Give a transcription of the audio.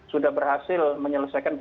sudah berhasil menyelesaikan